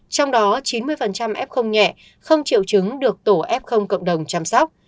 trong đó chín mươi f nhẹ không triệu chứng được tổ f cộng đồng chăm sóc